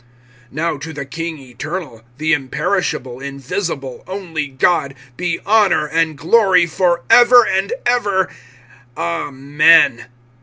(17)Now to the King eternal, the imperishable, invisible, only God, be honor and glory forever and ever. Amen.